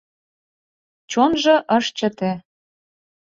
Чонжо ыш чыте.